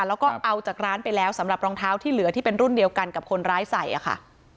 แล้วก็เอาจากร้านไปแล้วสำหรับรองเท้าที่เหลือที่เป็นรุ่นเดียวกันกับคนร้ายใส่ค่ะ